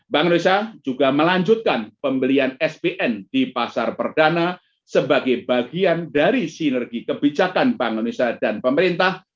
bank indonesia juga melanjutkan pembelian spn di pasar perdana sebagai bagian dari sinergi kebijakan bank indonesia dan pemerintah